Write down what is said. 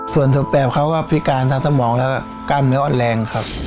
ส่วนสุดแบบเขาก็พิการทางสมองแล้วก็กล้ามเนื้ออ่อนแรงครับ